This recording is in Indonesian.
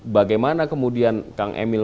bagaimana kemudian kang emil